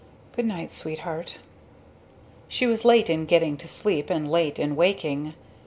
Goodnight, Sweetheart." She was late in getting to sleep and late in waking.